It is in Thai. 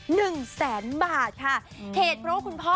หนึ่งแสนบาทค่ะเผธร